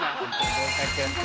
合格。